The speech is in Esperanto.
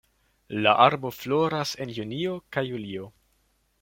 La arbo floras en junio kaj julio.